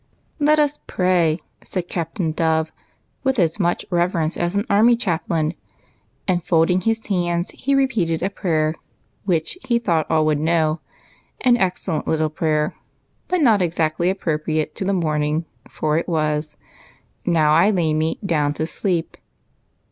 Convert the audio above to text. "Let us pray," said Captain Dove, with as much reverence as an army chajDlain ; and, folding his hands, he repeated a prayer which he thought all would know, — an excellent little prayer, but not exactly appropriate to the morning, for it was, —" Now I lay me down to sleep."